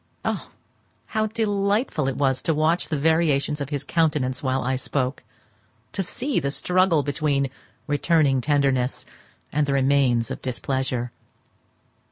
Oh, how delightful it was to watch the variations of his countenance while I spoke! to see the struggle between returning tenderness and the remains of displeasure.